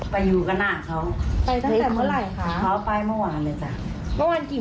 ไปตั้งแต่เมื่อไหร่คะเขาไปเมื่อวานเลยจ้ะ